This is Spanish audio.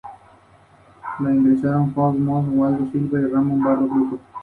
La fachada sobre cada esquina es cóncava, y se eleva cuatro pisos.